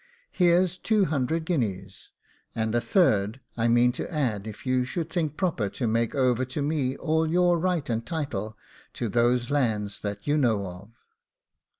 Here's two hundred guineas, and a third I mean to add if you should think proper to make over to me all your right and title to those lands that you know of.